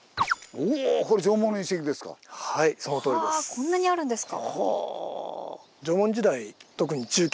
こんなにあるんですか。